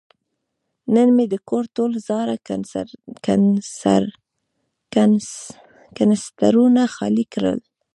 نن مې د کور ټول زاړه کنسترونه خالي کړل.